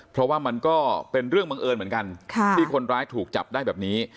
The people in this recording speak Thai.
เพราะว่ามันก็เป็นเรื่องบังเอิญเหมือนกันที่คนร้ายถูกจับได้แบบนี้